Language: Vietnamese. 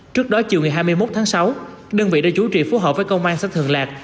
trước đó chiều ngày hai mươi một tháng sáu đơn vị đã chú trị phù hợp với công an xã thường lạc